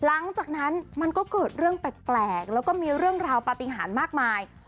หลังจากนั้นมันก็เกิดเรื่องแปลกแล้วก็มีเรื่องราวปฏิหารมากมาย